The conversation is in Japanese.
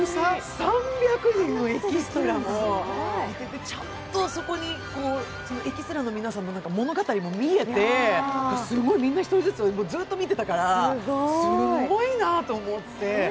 ３００人のエキストラもちゃんとそこに、エキストラの皆さんも物語も見えて、一人ずつずっと見てたからすごいなと思って。